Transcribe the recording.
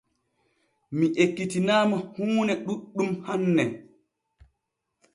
Mi ekkitinaama huune ɗuuɗɗum hanne.